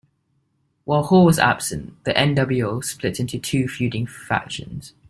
While Hall was absent, the nWo split into two feuding factions.